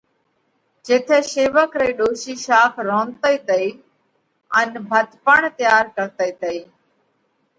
جيٿئہ شيوَڪ رئِي ڏوشِي شاک رونڌتئِي تئِي، ان ڀت پڻ تئيار ڪرتئِي تئِي۔